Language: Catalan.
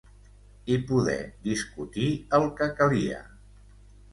I poder discutir el que calia.